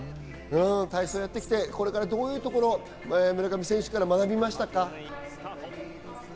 体操をやってきて、これから、どういうところを村上選手から学びましたか？